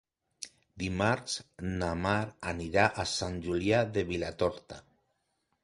Dimarts na Mar anirà a Sant Julià de Vilatorta.